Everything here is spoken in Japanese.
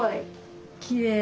きれい。